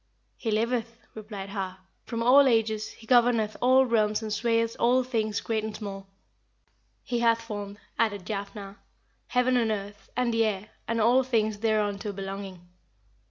"He liveth," replied Har, "from all ages, he governeth all realms and swayeth all things great and small." "He hath formed," added Jafnhar, "heaven and earth, and the air, and all things thereunto belonging."